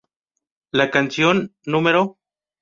La canción Nro.